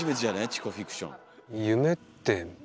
「チコフィクション」。